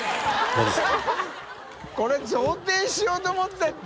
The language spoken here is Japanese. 「これ贈呈しようと思って」って。